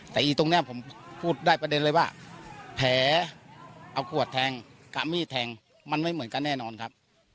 แต่อีตรงนี้ผมพูดได้ประเด็นเลยว่าแผลเอาขวดแทงกับมีดแทงมันไม่เหมือนกันแน่นอนครับ